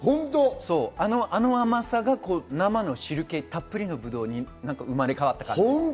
あの甘さが生の汁気たっぷりのブドウに生まれ変わった感じ。